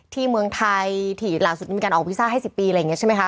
เมืองไทยที่ล่าสุดมีการออกพิซ่าให้๑๐ปีอะไรอย่างนี้ใช่ไหมคะ